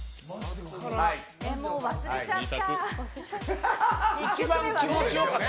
もう忘れちゃった。